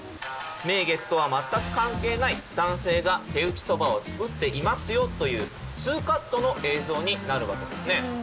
名月とは全く関係ない男性が手打そばをつくっていますよというツーカットの映像になるわけですね。